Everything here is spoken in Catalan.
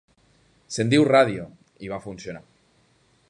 Se'n diu ràdio, i va funcionar.